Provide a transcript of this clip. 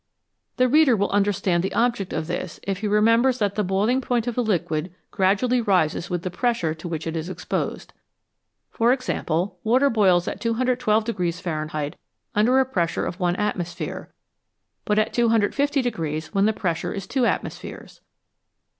The reader will understand the object of this if he remembers that the boiling point of a liquid gradually rises with the pressure to which it is exposed. For example, water boils at 212 Fahrenheit under a pressure of one atmos phere, but at 250 when the pressure is two atmospheres.